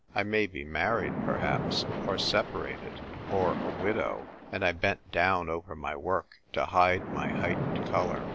I may be married, perhaps — or separated — or a widow." And I bent down over my work to hide my heightened colour.